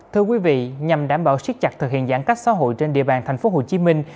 thưa quý vị nhằm đảm bảo siết chặt thực hiện giãn cách xã hội trên địa bàn thành phố hồ chí minh